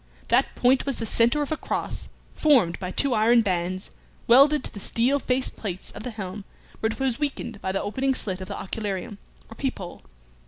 That point was the centre of a cross formed by two iron bands welded to the steel face plates of the helm where it was weakened by the opening slit of the occularium, or peephole.